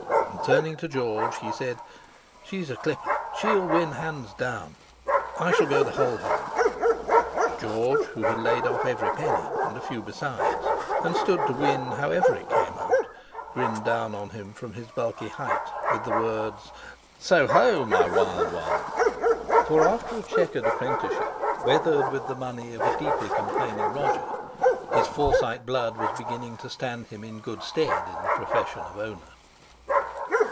And turning to George he said: "She's a clipper. She'll win hands down; I shall go the whole hog." George, who had laid off every penny, and a few besides, and stood to win, however it came out, grinned down on him from his bulky height, with the words: "So ho, my wild one!" for after a chequered apprenticeship weathered with the money of a deeply complaining Roger, his Forsyte blood was beginning to stand him in good stead in the profession of owner.